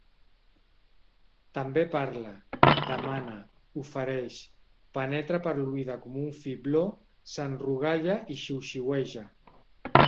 També parla, demana, ofereix, penetra per l'oïda com un fibló, s'enrogalla i xiuxiueja.